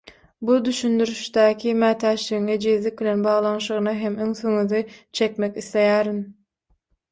Bu düşündirişdäki mätäçligiň ejizlik bilen baglanşygyna hem ünsüňizi çekmek isleýärin.